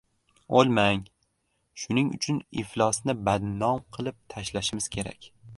— O‘lmang, shuning uchun iflosni badnom qilib tashlashimiz kerak.